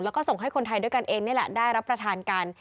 แล้วก็ส่งให้คนไทยด้วยกันเองนี่แหละได้รับประทานกัน